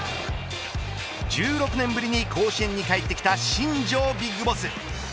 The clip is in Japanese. １６年ぶりに甲子園に帰ってきた新庄ＢＩＧＢＯＳＳ。